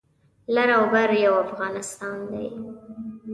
لر او بر یو افغانستان دی